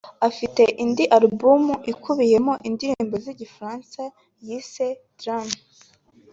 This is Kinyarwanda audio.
Afite indi album ikubiyeho indirimbo z’Igifaransa yise ‘Drame’